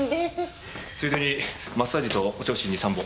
ついでにマッサージとお銚子２３本。